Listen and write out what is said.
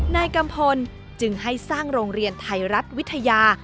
นายกัมพลจึงให้สร้างโรงเรียนไทยรัฐวิทยา